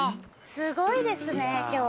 すごいですね今日。